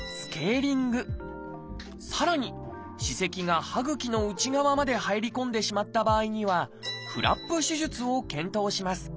さらに歯石が歯ぐきの内側まで入り込んでしまった場合には「フラップ手術」を検討します。